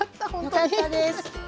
よかったです！